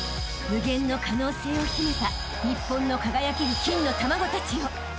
［無限の可能性を秘めた日本の輝ける金の卵たちよ］